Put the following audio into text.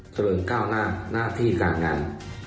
เจริญก้าวหน้าหน้าที่การงาน